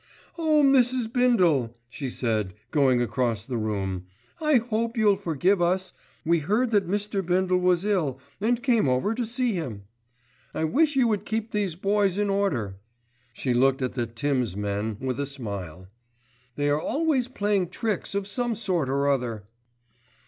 "Oh, Mrs. Bindle," she said, going across the room, "I hope you'll forgive us. We heard that Mr. Bindle was ill and came over to see him. I wish you would keep these boys in order." She looked at the "Tim's" men with a smile. "They are always playing tricks of some sort or other."